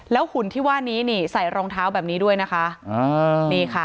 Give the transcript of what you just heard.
แล้วหุ่นที่ว่านี้ใส่รองเท้าแบบนี้ด้วยนะคะ